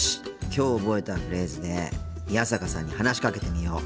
きょう覚えたフレーズで宮坂さんに話しかけてみよう。